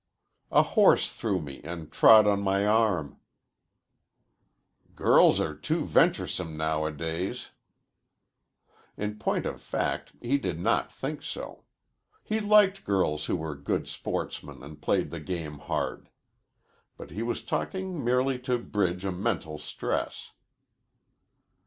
"A horse threw me and trod on my arm." "Girls are too venturesome nowadays." In point of fact he did not think so. He liked girls who were good sportsmen and played the game hard. But he was talking merely to bridge a mental stress.